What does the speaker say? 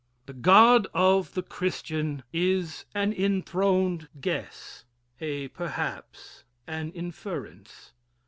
The God of the Christian is an enthroned guess a perhaps an inference.